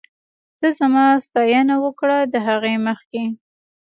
ته زما ستاينه وکړه ، د هغې مخکې